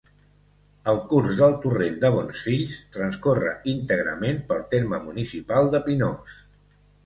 El curs del Torrent de Bonsfills transcorre íntegrament pel terme municipal de Pinós.